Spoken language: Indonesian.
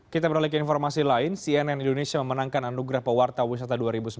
kita beralih ke informasi lain cnn indonesia memenangkan anugerah pewarta wisata dua ribu sembilan belas